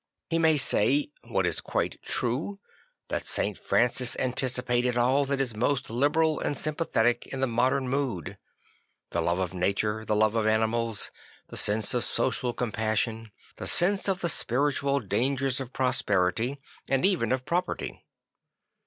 He may say (what is quite true) that St. Francis anticipated all that is most liberal and sympathetic in the modem mood; the love of nature; the love of animals; the sense of social com passion; the sense of the spiritual dangers of prosperity and even of property.